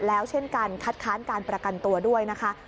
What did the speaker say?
แล้วเช่นการคัดค้านการประกันตัวด้วยนะคะ